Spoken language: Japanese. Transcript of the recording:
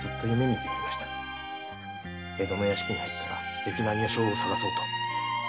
江戸の屋敷に入ったら粋な女性を捜そうと。